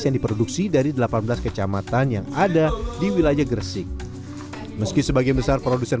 yang diproduksi dari delapan belas kecamatan yang ada di wilayah gresik meski sebagian besar produsen